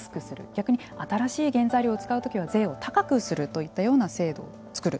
逆に新しい原材料を使うときは税を高くするといったような制度を作る。